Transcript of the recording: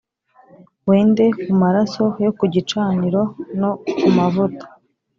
Wende ku maraso yo ku gicaniro no ku mavuta